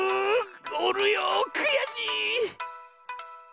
おるよくやしい！